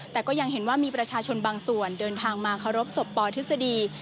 แต่ก็ยังเห็นว่ามีประชาชนบางส่วนเดินทางมาเคารพศพปทฤษฎี